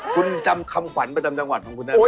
คุณจำคำขวัญประจำจังหวัดของคุณได้ไหม